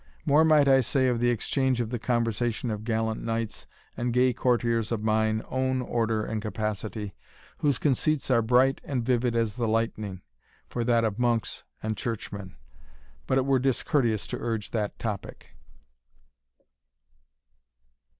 More might I say of the exchange of the conversation of gallant knights and gay courtiers of mine own order and capacity, whose conceits are bright and vivid as the lightning, for that of monks and churchmen but it were discourteous to urge that topic."